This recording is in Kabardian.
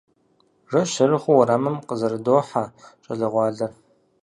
Жэщ зэрыхъуу уэрамым къызэрыдохьэ щӏалэгъуалэр.